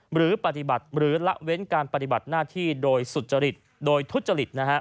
หรือปฏิบัติหรือละเว้นการปฏิบัติหน้าที่โดยสุจริตโดยทุจริต